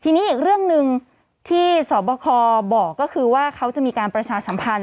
ทีนี้อีกเรื่องหนึ่งที่สบคบอกก็คือว่าเขาจะมีการประชาสัมพันธ